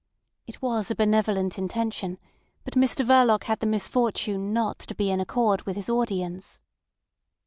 It was a benevolent intention, but Mr Verloc had the misfortune not to be in accord with his audience.